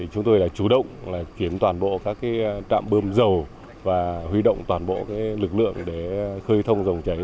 chúng tôi đã chủ động kiếm toàn bộ các trạm bơm dầu và huy động toàn bộ lực lượng để khơi thông dòng chảy